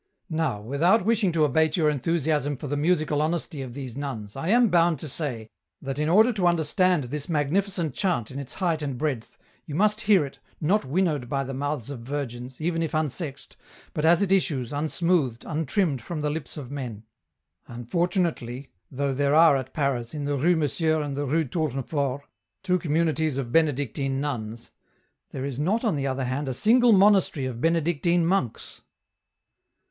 " Now without wishing to abate your enthusiasm for the musical honesty of these nuns, I am bound to say, that in order to understand this magnificent chant in its height and breadth, you must hear it, not winnowed by the mouths of virgins, even if unsexed, but as it issues, unsmoothed, un trimmed from the lips of men. Unfortunately, though there are at Paris, in the Rue Monsieur and the Rue Tournefort, two communities of Benedictine nuns, there is not on the other hand a single monastery of Benedictine monks."